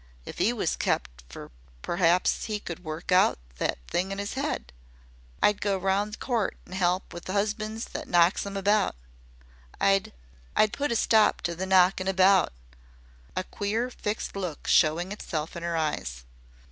"If 'e was kept fed p'r'aps 'e could work out that thing in 'is 'ead. I'd go round the court an' 'elp them with 'usbands that knocks 'em about. I'd I'd put a stop to the knockin' about," a queer fixed look showing itself in her eyes.